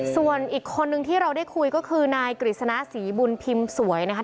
ส่วนอีกคนนึงที่เราได้คุยก็คือนายกฤษณะศรีบุญพิมพ์สวยนะคะ